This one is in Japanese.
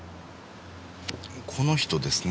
この人ですね。